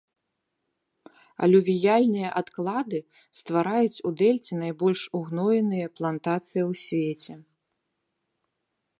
Алювіяльныя адклады ствараюць у дэльце найбольш угноеныя плантацыі ў свеце.